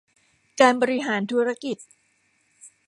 การบริหารธุรกิจ